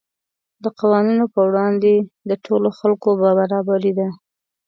د قوانینو په وړاندې د ټولو خلکو برابري ده.